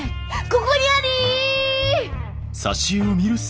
ここにあり！」。